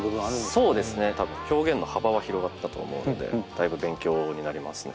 そうですね多分表現の幅は広がったと思うのでだいぶ勉強になりますね